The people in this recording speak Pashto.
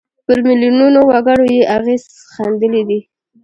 پر میلیونونو وګړو یې اغېز ښندلی دی.